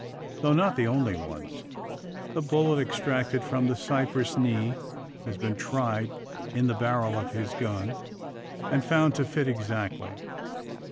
Though not the only ones. The bullet extracted from the cypress knee, has been tried in the barrel of his gun, and found to fit exactly.